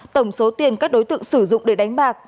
tổng số tiền các đối tượng sử dụng để đánh bạc